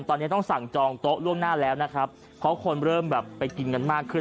ตอนนี้ต้องสั่งจองโต๊ะล่วงหน้าแล้วนะครับเพราะคนเริ่มแบบไปกินกันมากขึ้น